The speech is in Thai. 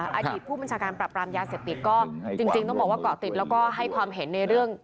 อดีตผู้บัญชาการปรับปรามยาเสพติดก็จริงต้องบอกว่าเกาะติดแล้วก็ให้ความเห็นในเรื่อง